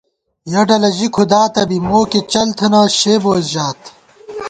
یَہ ڈلہ ژی کُھدات بی مو کی چل تھنہ شے بوئیس ژات